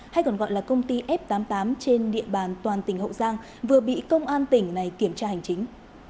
hay còn gọi là công ty f tám mươi tám trên địa bàn toàn tỉnh hậu giang vừa bị công an tỉnh này kiểm tra hành chính